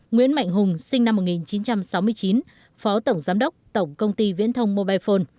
nguyễn mạnh hùng sinh năm một nghìn chín trăm sáu mươi chín phó tổng giám đốc tổng công ty viễn thông mobile phone